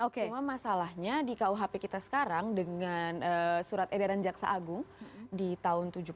cuma masalahnya di kuhp kita sekarang dengan surat edaran jaksa agung di tahun tujuh puluh